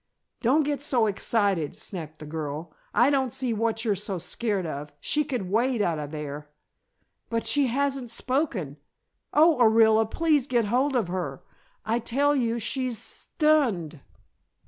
"Don't get so excited," snapped the girl. "I don't see what you're so scared of. She could wade out of there." "But she hasn't spoken. Oh, Orilla, please get hold of her. I tell you she's stunned!"